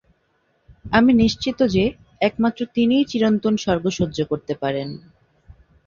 আমি নিশ্চিত যে, একমাত্র তিনিই চিরন্তন স্বর্গ সহ্য করতে পারেন।